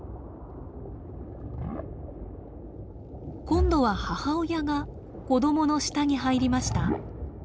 今度は母親が子供の下に入りました。